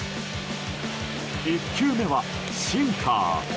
１球目はシンカー。